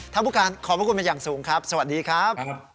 ท่านผู้การขอบคุณมาอย่างสูงครับสวัสดีครับ